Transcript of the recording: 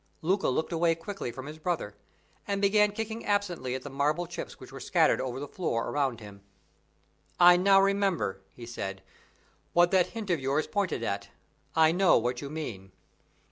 Luca looked away quickly from his brother, and began kicking absently at the marble chips which were scattered over the floor around him. "I now remember," he said, "what that hint of yours pointed at. I know what you mean."